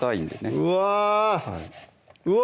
うわうわ